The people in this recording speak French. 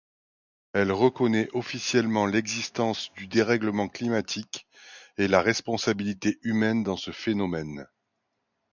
Elle reconnaît officiellement l’existence du dérèglement climatique et la responsabilité humaine dans ce phénomène.